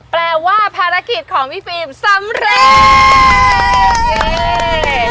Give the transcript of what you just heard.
แปลว่าภารกิจของพี่ฟิล์มสำเร็จ